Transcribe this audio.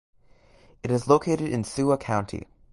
It is located in Sua County.